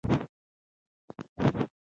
ويې ښکنځه د تکرار په صورت کې يې په مرګ وګواښه.